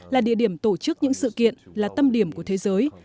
là địa điểm tổ chức những sự kiện là tâm điểm của thế giới